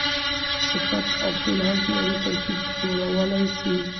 صفت او فعل هم فعلي ترکیب جوړولای سي.